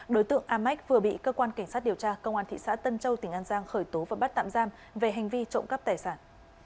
đối tượng a mác vừa bị cơ quan cảnh sát điều tra công an thị xã tân châu tỉnh an giang khởi tố và bắt tạm giam về hành vi trộm cắp tài sản